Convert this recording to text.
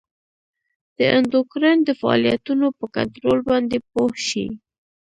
د اندوکراین د فعالیتونو په کنترول باندې پوه شئ.